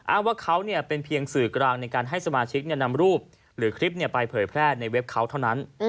อ้างว่าเขาเป็นเพียงสื่อกลางในการให้สมาชิกนำรูปหรือคลิปไปเผยแพร่ในเว็บเขาเท่านั้น